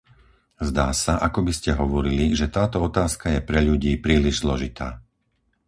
Zdá sa, akoby ste hovorili, že táto otázka je pre ľudí príliš zložitá.